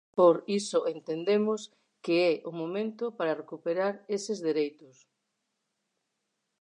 Por iso entendemos que é o momento para recuperar eses dereitos.